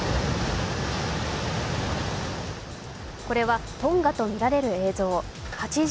これはトンガとみられる映像。